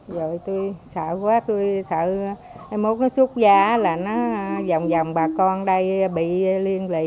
rồi tôi sợ quá tôi sợ em mốt nó xúc giá là nó dòng dòng bà con đây bị liên lị